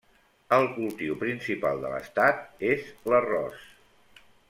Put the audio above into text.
El cultiu principal de l'estat és l'arròs.